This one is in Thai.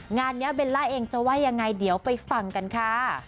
งานนี้เบลล่าเองจะว่ายังไงเดี๋ยวไปฟังกันค่ะ